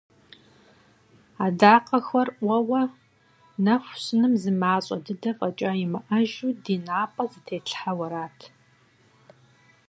Адакъэхэр Ӏуэуэ, нэху щыным зымащӀэ дыдэ фӀэкӀа имыӀэжу ди напӀэ зэтетлъхьэу арат!